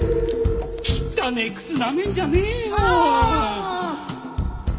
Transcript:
汚え靴舐めんじゃねえよ。